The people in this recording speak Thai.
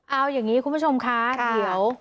เอาอย่างนี้คุณผู้ชมคะเดี๋ยว